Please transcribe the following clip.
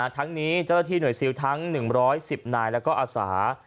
ทั้งนี้เจ้าหน้าที่หน่วยซิลทั้ง๑๑๐นายแล้วก็อาสา